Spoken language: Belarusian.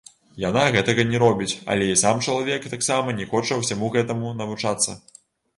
Яна гэтага не робіць, але і сам чалавек таксама не хоча ўсяму гэтаму навучацца.